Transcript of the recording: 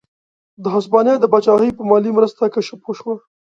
د هسپانیا د پاچاهۍ په مالي مرسته کشف وشوه.